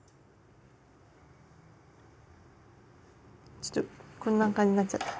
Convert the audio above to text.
ちょっとこんな感じなっちゃった。